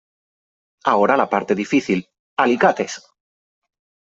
Ahora la parte difícil .¡ Alicates !